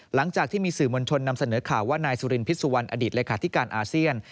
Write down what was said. หลังจากที่มีสื่อมวลชนนำเสนอข่าวว่านายสุรินพิษสุวรรณอดีตเลขาธิการอาเซียน